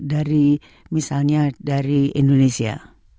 dari misalnya dari indonesia